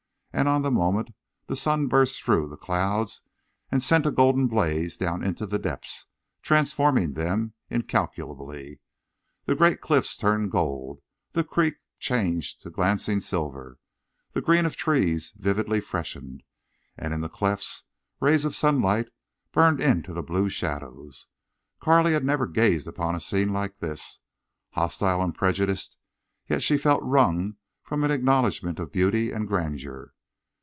And on the moment the sun burst through the clouds and sent a golden blaze down into the depths, transforming them incalculably. The great cliffs turned gold, the creek changed to glancing silver, the green of trees vividly freshened, and in the clefts rays of sunlight burned into the blue shadows. Carley had never gazed upon a scene like this. Hostile and prejudiced, she yet felt wrung from her an acknowledgment of beauty and grandeur.